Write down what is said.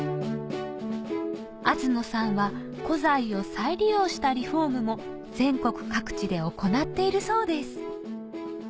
東野さんは古材を再利用したリフォームも全国各地で行っているそうです